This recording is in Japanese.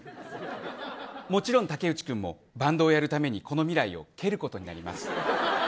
もちろん武内君もバンドをやるためにこの未来を蹴ることになります。